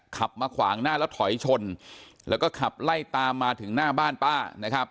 ขับมาขวางหน้าแล้วถอยชนแล้วก็ขับไล่ตามมาถึงหน้าบ้านป้านะครับ